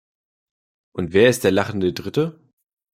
Und wer ist der lachende Dritte?